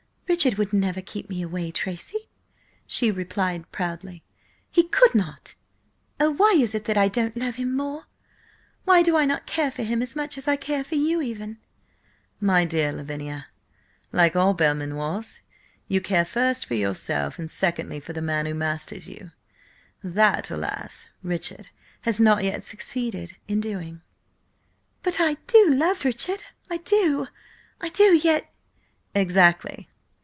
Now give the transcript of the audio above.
"Richard would never keep me away, Tracy!" she replied proudly. "He could not. Oh, why is it that I don't love him more? Why do I not care for him as much as I care for you even?" "My dear Lavinia, like all Belmanoirs, you care first for yourself and secondly for the man who masters you. That, alas! Richard has not yet succeeded in doing." "But I do love Richard. I do, I do, yet—" "Exactly.